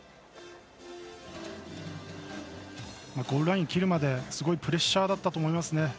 ゴールライン切るまですごいプレッシャーだったと思いますね。